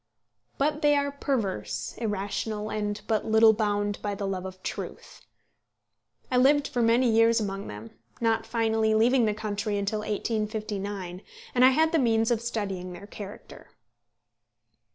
But they are perverse, irrational, and but little bound by the love of truth. I lived for many years among them not finally leaving the country until 1859, and I had the means of studying their character.